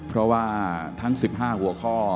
เพราะว่าทั้ง๑๕หัวข้อ